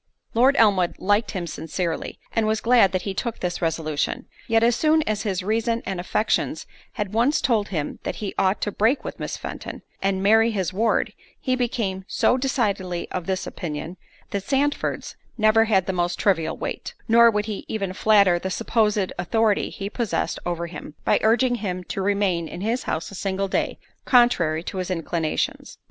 Lord Elmwood liked him sincerely, and was glad that he took this resolution; yet as soon as his reason and affections had once told him that he ought to break with Miss Fenton, and marry his ward, he became so decidedly of this opinion, that Sandford's never had the most trivial weight; nor would he even flatter the supposed authority he possessed over him, by urging him to remain in his house a single day, contrary to his inclinations.